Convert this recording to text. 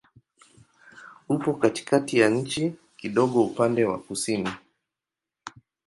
Upo katikati ya nchi, kidogo upande wa kusini.